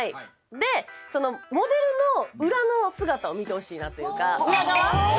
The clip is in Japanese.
でそのモデルの裏の姿を見てほしいなというか裏側。